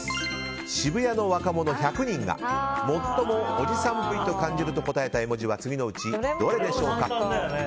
渋谷の若者１００人が最もおじさんっぽいと感じると答えた絵文字は次のうち、どれでしょうか。